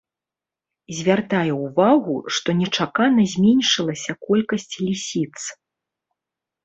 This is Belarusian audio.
Звяртае ўвагу, што нечакана зменшылася колькасць лісіц.